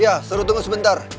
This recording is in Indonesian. iya suruh tunggu sebentar